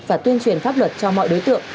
và tuyên truyền pháp luật cho mọi đối tượng